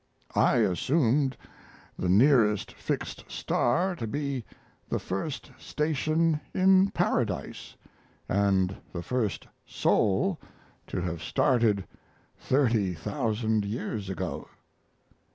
I assumed the nearest fixed star to be the first station in Paradise and the first soul to have started thirty thousand years ago.